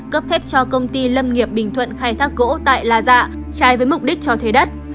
cấp phép cho công ty lâm nghiệp bình thuận khai thác gỗ tại la dạ trái với mục đích cho thuê đất